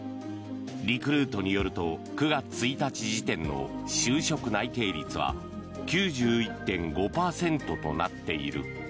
リクルートによると９月１日時点の就職内定率は９１．５％となっている。